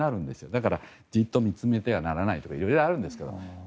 だからじっと見つめてはならないとかいろいろあるんですよ。